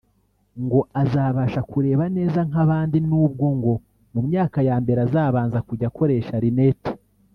ngo azabasha kureba neza nk’abandi nubwo ngo mu myaka ya mbere azabanza kujya akoresha lunettes